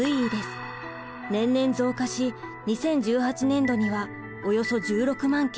年々増加し２０１８年度にはおよそ１６万件。